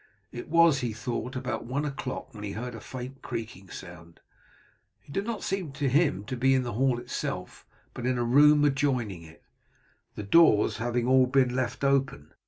It was, he thought, about one o'clock when he heard a faint creaking sound. It did not seem to him to be in the hall itself, but in a room adjoining it, the doors having all been left open.